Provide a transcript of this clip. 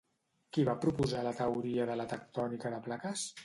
Qui va proposar la teoria de la tectònica de plaques?